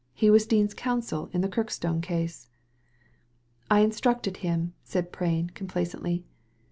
He was Dean's counsel in the Kirkstone case." "I instructed him/' said Prain, complacently.